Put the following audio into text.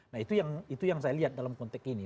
nah itu yang saya lihat dalam konteks ini